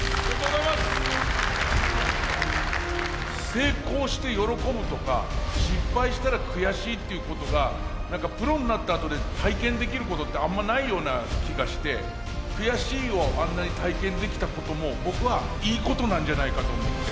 成功して喜ぶとか失敗したら悔しいっていうことが何かプロになったあとで体験できることってあんまないような気がして「悔しい」をあんなに体験できたことも僕はいいことなんじゃないかと思って。